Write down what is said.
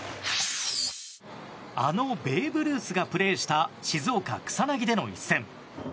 あのベーブ・ルースがプレーした静岡・草薙での一戦。